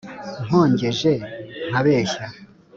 nkongeje nkabeshya